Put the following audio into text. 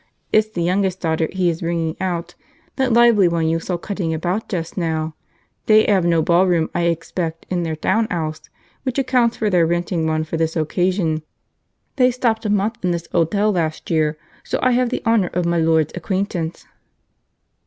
It's the youngest daughter he is bringing out, that lively one you saw cutting about just now. They 'ave no ballroom, I expect, in their town 'ouse, which accounts for their renting one for this occasion. They stopped a month in this 'otel last year, so I have the honour of m'luds acquaintance."